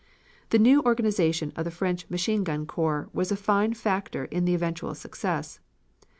"The new organization of the French Machine gun Corps was a fine factor in the eventual success.